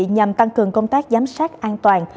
nhằm tăng cường công tác giám sát an toàn